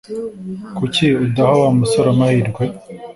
Kuki udaha Wa musore amahirwe?